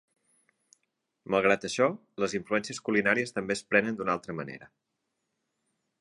Malgrat això, les influències culinàries també es prenen d'una altra manera.